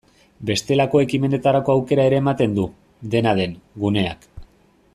Bestelako ekimenetarako aukera ere ematen du, dena den, guneak.